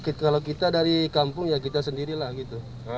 kalau kita dari kampung ya kita sendirilah gitu